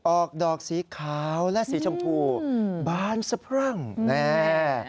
ออกดอกสีขาวและสีชมพูบานสะพรั่งแน่